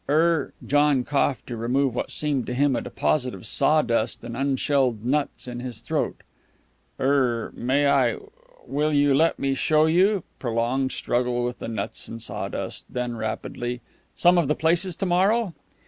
"Er " John coughed to remove what seemed to him a deposit of sawdust and unshelled nuts in his throat. "Er may I will you let me show you " prolonged struggle with the nuts and sawdust; then rapidly "some of the places to morrow?"